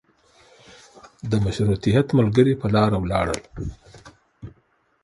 د مشروطیت ملګري په لاره ولاړل.